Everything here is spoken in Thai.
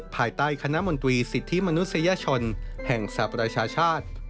ภายใต้คณะมนตรีสิทธิมนุษยชนแห่งสหประชาชาติ